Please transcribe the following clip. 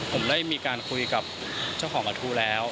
ผมได้มีการคุยกับเจ้าของกระทู้แล้ว